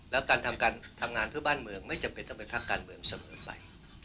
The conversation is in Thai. แล้วการทำงานเพื่อบ้านเมืองไม่จำเป็นทำเป็นพักการเมืองเสมอไป